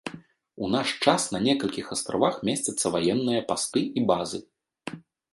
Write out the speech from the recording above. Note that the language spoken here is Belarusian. У наш час на некалькіх астравах месцяцца ваенныя пасты і базы.